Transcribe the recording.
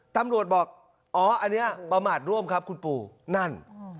ตำรวจบอกอ๋ออันนี้ประมาทร่วมครับคุณปู่นั่น